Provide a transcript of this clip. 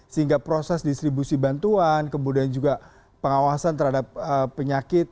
sehingga proses distribusi bantuan kemudian juga pengawasan terhadap penyakit